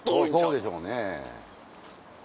そうでしょうね。